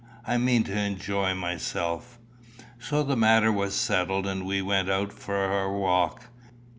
I mean to enjoy myself." So the matter was settled, and we went out for our walk.